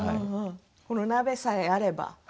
この鍋さえあれば。